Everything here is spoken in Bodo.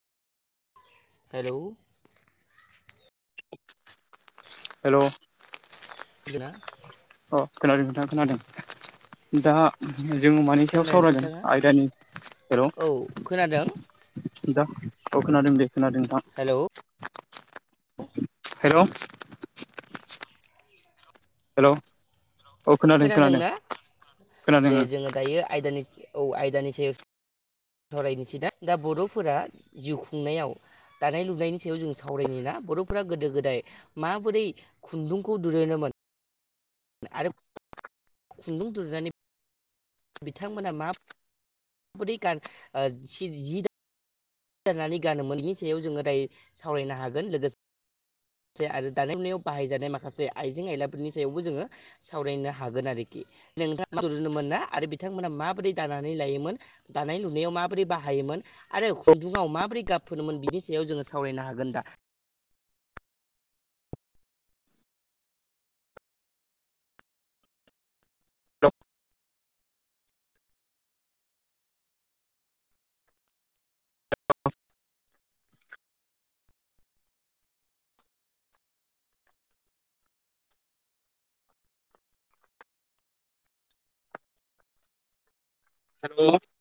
हेलौ हेलौ खोन्दोना अ खोनादों नोंथां खोनादों। दा [unintelligible] जोङो मानि सायाव खोनादोंना सावरायगोन नोंथाङा आयदानि? हेलौ! औ खोनादों दा औ खोनादों दे खोनादों नोंथां। हेलौ हेलौ हेलौ खोनादोंना? खोनादों दे जोङो दायो आयदानिस औ आयदानि सायाव सावरायनिसै दा दा बर'फोरा जिउ खुंनायाव दानाय लुनायनि सायाव जों सावरायनिना बर'फोरा गोदो गोदाय माबोरै खुन्दुं खौ दुरेनोमोन आरो खुन्दुं दुरनानै बिथांमोनहा मा बोरै गार ओ सि जि दा दानानै गानोमोन बिनि सायाव जोङो दायो सावरायनो हागोन लोगोस से आरो दानाय लुनायाव बाहायजानाय माखासे आइजें आयलाफोरनि सायावबो जोङो सावरायनो हागोन आरोखि नोंथां [unintelligible] मोन ना आरो बिथांमोना माबोरै दानानै लायोमोन दानाय लुनायाव माबोरै बाहायोमोन आरो खुन्दुङाव माबोरै गाब फोनोमोन बिनि सायाव जोङो सावरायनो हागोन दा। [unintelligible]